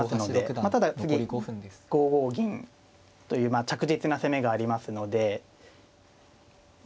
まあただ次５五銀という着実な攻めがありますのでまあ